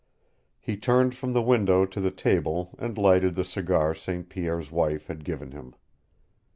He turned from the window to the table and lighted the cigar St. Pierre's wife had given him.